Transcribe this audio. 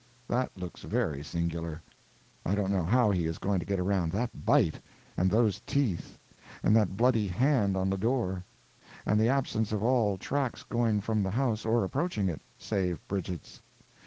That looks very singular. I don't know how he is going to get around that bite, and those teeth, and that bloody hand on the door, and the absence of all tracks going from the house or approaching it, save Bridget's.